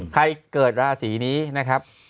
เกิดราศีนี้นะครับ